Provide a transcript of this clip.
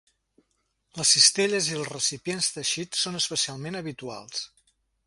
Les cistelles i els recipients teixits són especialment habituals.